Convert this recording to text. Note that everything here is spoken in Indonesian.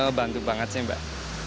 ngebantu banget sih mbak